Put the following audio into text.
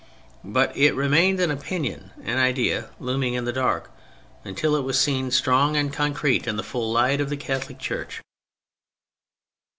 But it remained an opinion, an idea looming in the dark, till it was seen strong and concrete in the full light of the Catholic Church.